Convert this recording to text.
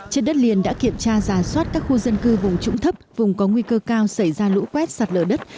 trên đất liền đã kiểm tra giả soát các khu dân cư vùng trũng thấp vùng có nguy cơ cao xảy ra lũ quét sạt lở đất